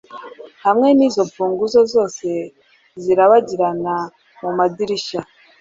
hamwe nizo mfunguzo zose zirabagirana mumadirishya